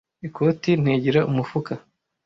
Ikoti ntigira umufuka.